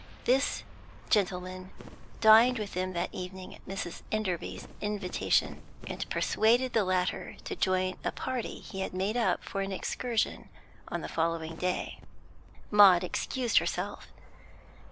This gentleman dined with them that evening at Mrs. Enderby's invitation, and persuaded the latter to join a party he had made up for an excursion on the following day. Maud excused herself.